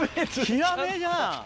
ヒラメじゃん！